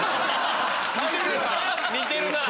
似てるなぁ。